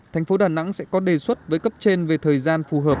thành phố đà nẵng sẽ có đề xuất với cấp trên về thời gian phù hợp